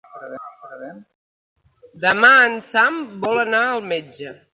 Demà en Sam vol anar al metge.